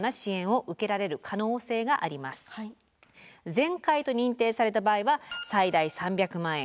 全壊と認定された場合は最大３００万円。